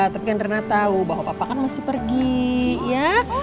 tapi rena tau bahwa papa kan masih pergi ya